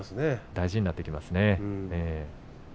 大事になってきますね。